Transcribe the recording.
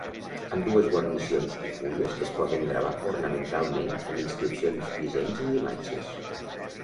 Ambdues guarnicions i fulles es poden gravar ornamentalment amb inscripcions, dissenys i imatges.